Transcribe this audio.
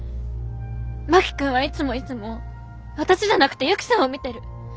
真木君はいつもいつも私じゃなくてユキさんを見てる。